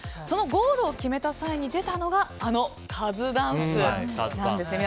そのゴールを決めた際に出たのがあのカズダンスなんです。